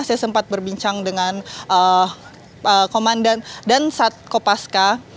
saya sempat berbincang dengan komandan dan sat kopaska